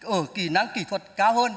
ở kỹ năng kỹ thuật cao hơn